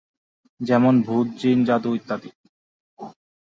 যেমন ভূত, জিন, জাদু ইত্যাদি।